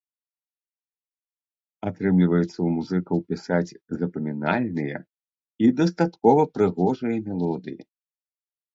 Атрымліваецца ў музыкаў пісаць запамінальныя і дастаткова прыгожыя мелодыі.